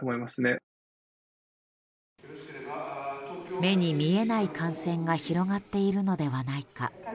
目に見えない感染が広がっているのではないか。